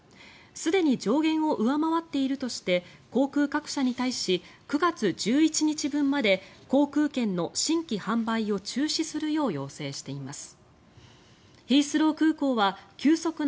すでに上限を上回っているとして航空各社に対し９月１１日分まで航空券の新規販売を中止するよう要請しています。